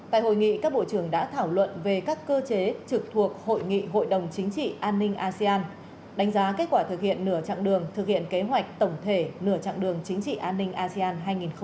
tại hội nghị các bộ trưởng đã thảo luận về các cơ chế trực thuộc hội nghị hội đồng chính trị an ninh asean đánh giá kết quả thực hiện nửa chặng đường thực hiện kế hoạch tổng thể nửa chặng đường chính trị an ninh asean hai nghìn hai mươi